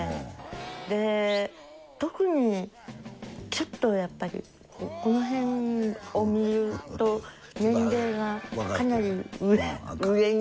で特にちょっとやっぱりこのへんを見ると年齢がかなり上上に。